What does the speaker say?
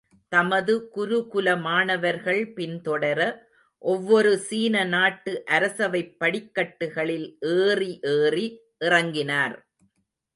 தமது குருகுல மாணவர்கள் பின் தொடர, ஒவ்வொரு சீன நாட்டு அரசவைப் படிகட்டுகளில் ஏறி ஏறி இறங்கினார்!